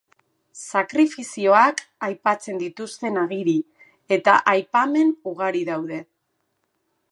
Sakrifizioak aipatzen dituzten agiri eta aipamen ugari daude.